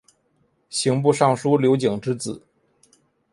刑部尚书刘璟之子。